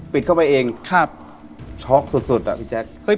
ปิดเข้าไปเองครับช็อคสุดสุดอ่ะพี่แจ๊คเฮ้ย